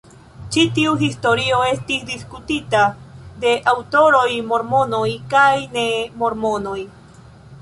Ĉi tiu historio estis diskutita de aŭtoroj mormonoj kaj ne mormonoj.